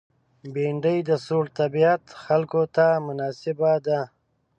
بېنډۍ د سوړ طبیعت خلکو ته مناسبه ده